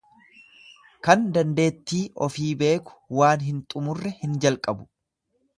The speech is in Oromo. Kan dandeettii ofii beeku waan hin xumurre hin jalqabu.